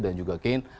dan juga kane